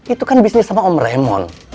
itu kan bisnis sama om remon